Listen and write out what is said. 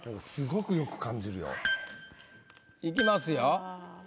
すごくよく感じるよ。いきますよ。